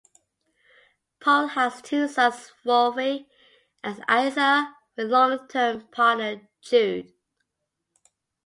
Powell has two sons, Wolfe and Asa, with long term partner Jude.